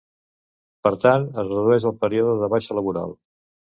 Per tant, es redueix el període de baixa laboral.